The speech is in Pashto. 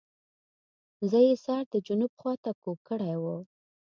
زه یې سر د جنوب خواته کوږ کړی وو.